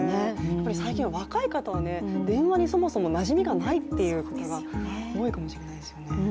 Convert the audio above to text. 最近は若い方は電話にそもそもなじみがないっていうことが多いかもしれないですよね。